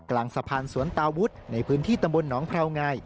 กลางสะพานสวนตาวุฒิในพื้นที่ตำบลหนองแพรวงาย